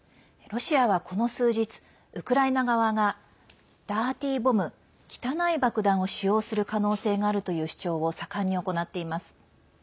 ロシアは、この数日ウクライナ側がダーティーボム、汚い爆弾を使用する可能性があるという主張を盛んに行っています。